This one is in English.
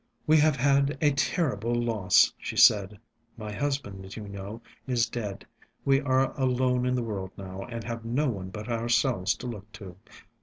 "We have had a terrible loss," she said. "My husband, you know, is dead. We are alone in the world now, and have no one but ourselves to look to.